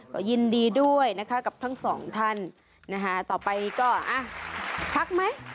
ก็ยินดีด้วยนะคะกับทั้งสองท่านนะคะต่อไปก็พักไหม